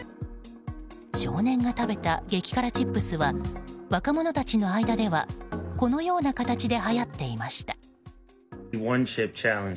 少年が食べた激辛チップスは若者たちの間ではこのような形ではやっていました。